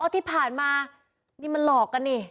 ที่ผ่านมานี่มันหลอกกันนี่